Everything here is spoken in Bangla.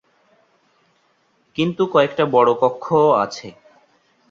কিন্তু কয়েকটা বড়ো কক্ষও আছে।